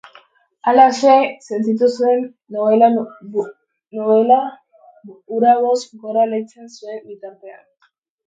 Halaxe sentitu zen nobela hura boz gora leitzen zuen bitartean.